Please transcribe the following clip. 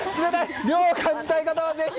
涼を感じたい方は、ぜひ！